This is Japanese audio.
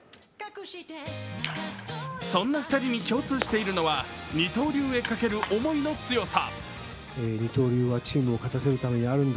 そんな２人に共通しているのは二刀流へかける思いの強さ。